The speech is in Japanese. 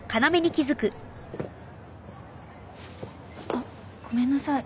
あっごめんなさい。